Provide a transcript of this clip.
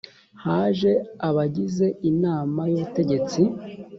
haje abagize inama y ‘ubutegetsi